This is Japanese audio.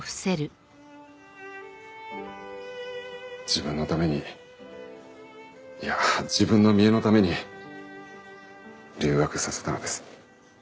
自分のためにいや自分の見えのために留学させたのです。